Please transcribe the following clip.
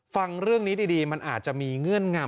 ฟังเรื่องนี้ดีมันอาจจะมีเงื่อนงำ